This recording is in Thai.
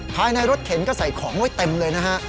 ภายในรถเข็นก็ใส่ของไว้เต็มเลยนะฮะ